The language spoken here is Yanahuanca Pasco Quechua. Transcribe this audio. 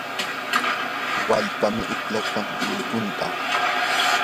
wallpam uqlaykan runtunta.